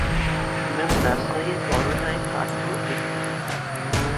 ইমাম নাসাঈর বর্ণনায় পাঠও এটিই।